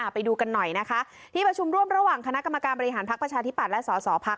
ไปดูกันหน่อยนะคะที่ประชุมร่วมระหว่างคณะกรรมการบริหารพักประชาธิบัตย์และสอสอพัก